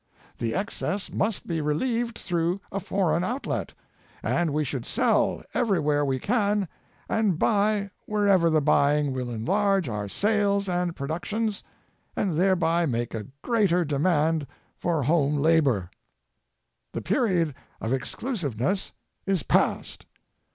The excess must be relieved through a foreign outlet, and we should sell everywhere we can and buy wherever the buying will enlarge our sales and productions, and thereby make a greater demand for home labor. The period of exclusiveness is past.